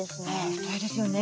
太いですよね